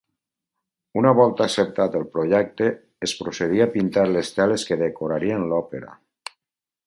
Un cop acceptat el projecte es procedia a pintar les teles que decorarien l'òpera.